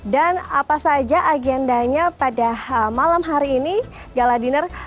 apa saja agendanya pada malam hari ini gala dinner